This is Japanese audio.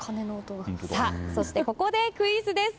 そして、ここでクイズです。